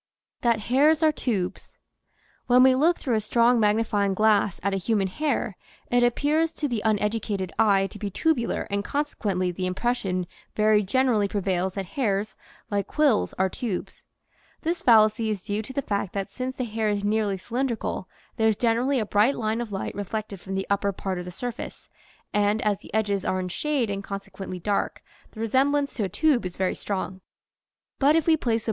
THAT HAIRS ARE TUBES [EN we look through a strong magnifying glass at a human hair it appears to the uneducated eye to be tubular and consequently the impres sion very generally prevails that hairs, like quills, are tubes. This fallacy is due to the fact that since the hair is nearly cylindrical there is generally a bright line of light reflected from the upper part of the surface, and as the edges are in shade and consequently dark, the re semblance to a tube is very strong. But if we place a.